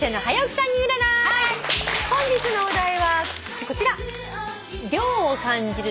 本日のお題はこちら。